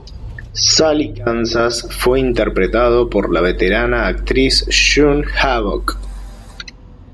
Sally Kansas fue interpretado por la veterana actriz June Havoc.